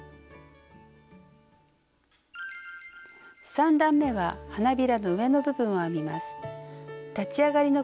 ３段めは花びらの上の部分を編みます。